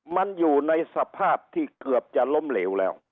มันอยู่ในสภาพที่เกือบจะล้มเหลวแล้ว